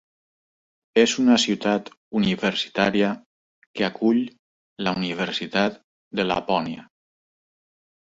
És una ciutat universitària que acull la Universitat de Lapònia.